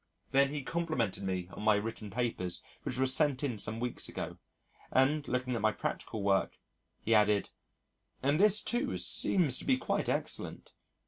Then he complimented me on my written papers which were sent in some weeks ago, and looking at my practical work he added, "And this, too, seems to be quite excellent."